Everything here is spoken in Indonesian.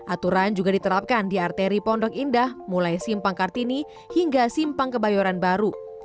aturan juga diterapkan di arteri pondok indah mulai simpang kartini hingga simpang kebayoran baru